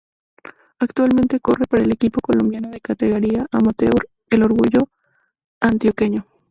Actualmente corre para el equipo colombiano de categoría "amateur" el Orgullo Antioqueño.